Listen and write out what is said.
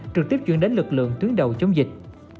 trực tiếp chuyển đến lực lượng tuyến đầu chống dịch